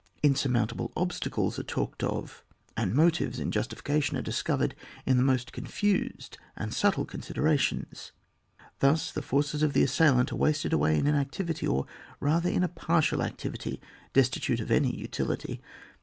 In surmountable obstacles are talked of, and motives in justification are discovered in the most confused and subtil considera tions. Thus the forces of the assailant are wasted away in inactivity, or rather in a partial activity, destitute of any utility.